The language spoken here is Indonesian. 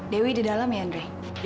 dewi di dalam ya andre